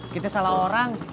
kita salah orang